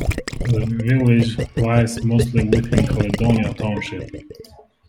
The village lies mostly within Caledonia Township.